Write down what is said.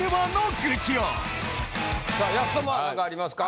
さあやすともは何かありますか？